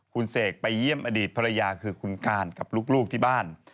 คุณเสกไปเยี่ยมอดีตภรรยาคือคุณการกับลูกที่บ้าน